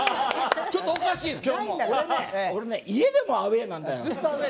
ちょっとおかしいです今日も。家でもアウェーなんだよ。